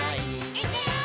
「いくよー！」